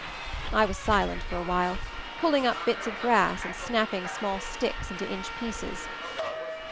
I was silent for a while, pulling up bits of grass and snapping small sticks into inch pieces.